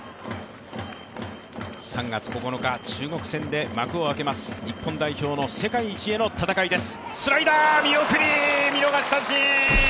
３月９日、中国戦で幕を開けます日本の世界一への戦いです。